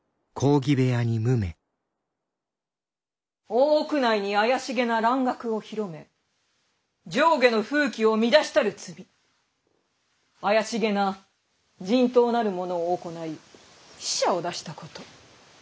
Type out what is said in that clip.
大奥内に怪しげな蘭学を広め上下の風紀を乱したる罪怪しげな人痘なるものを行い死者を出したこと。